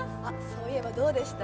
そういえばどうでした？